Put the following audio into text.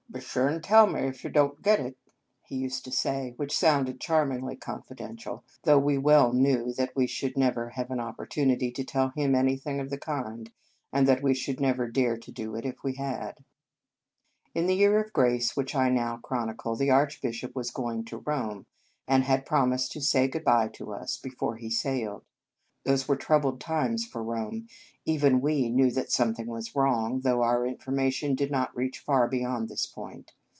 " Be sure and tell me, if you don t get it," he used to say, which sounded charmingly confidential, though we well knew that we should never have an opportunity to tell him anything of the kind, and that we should never dare to do it, if we had. In the year of grace which I now chronicle, the Archbishop was going to Rome, and had promised to say good by to us before he sailed. Those were troubled times for Rome. Even we knew that something was wrong, though our information did not reach far beyond this point.